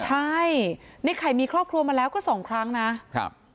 ใช่ในไข่มีครอบครัวมาแล้วก็สองครั้งนะครับ